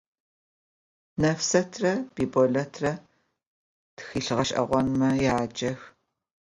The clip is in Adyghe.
Nefsetre Biboletre txılh ğeş'eğonme yacex.